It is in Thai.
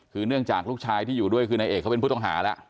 คือเนื่องจากลูกชายที่อยู่ด้วยคือนายเอกเขาเป็นผู้ต้องหาแล้ว